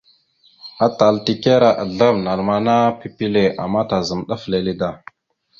Atal tekara azlam (naləmana) pipile ama tazam ɗaf lele da.